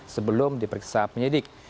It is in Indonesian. sebelum diperiksa penyedik